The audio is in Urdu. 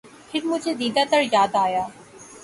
پھر مجھے دیدہٴ تر یاد آیا